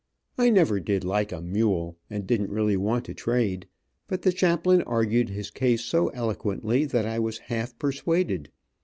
I never did like a mule, and didn't really want to trade, but the chaplain argued his case so eloquently that I was half persuaded.